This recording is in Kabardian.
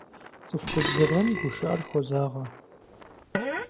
ЦӀыху губзыгъэм гушыӀэр хозагъэ.